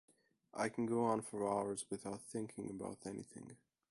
I can go on for hours without thinking about anything.